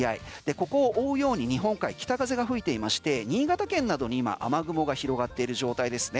ここを追うように日本海で北風が吹いていまして新潟県などに雨雲が広がっている状態ですね。